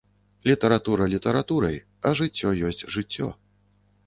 Літаратура літаратурай, а жыццё ёсць жыццё.